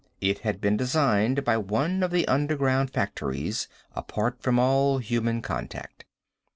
It had been designed by one of the underground factories, apart from all human contact.